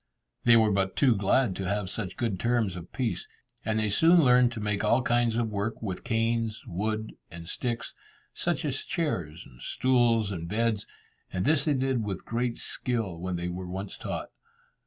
They were but too glad to have such good terms of peace, and they soon learnt to make all kinds of work with canes, wood, and sticks, such as chairs, stools, and beds, and this they did with great skill when they were once taught.